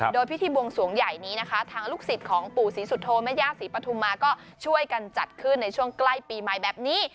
โดยพิธีบวงสวงใหญ่นี้นะคะทางลูกศิษย์ของปู่ศรีสุโธแม่ย่าศรีปฐุมาก็ช่วยกันจัดขึ้นในช่วงใกล้ปีใหม่แบบนี้